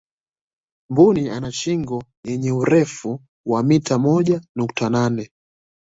mbuni ana shingo yenye urefu wa mita moja nukta nane